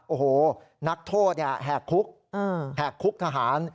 โอ้โหนักโทษแหกคุกแหกคุกทหาร